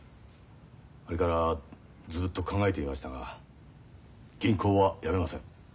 あれからずっと考えていましたが銀行は辞めません。